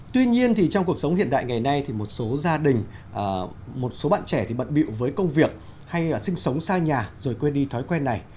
tuy nhiên trong cuộc sống hiện đại ngày nay thì một số gia đình một số bạn trẻ bận biệu với công việc hay là sinh sống xa nhà rồi quên đi thói quen này